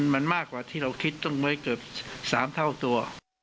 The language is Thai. มันมากกว่าที่เราคิดต้นไว้เกือบ๓เท่าตัว